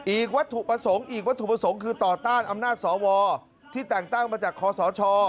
วัตถุประสงค์อีกวัตถุประสงค์คือต่อต้านอำนาจสวที่แต่งตั้งมาจากคอสช